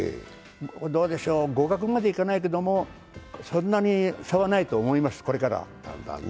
どうでしょう、互角までいかないけどそんなに差はないと思います。